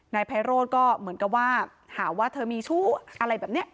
นายไพโรธก็เหมือนกับว่าหาว่าเธอมีชู้อะไรแบบนี้